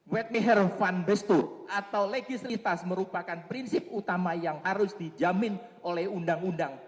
wetmeher fanbestur atau legisitas merupakan prinsip utama yang harus dijamin oleh undang undang